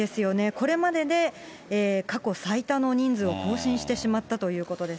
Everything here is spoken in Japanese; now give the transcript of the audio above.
これまでで過去最多の人数を更新してしまったということです。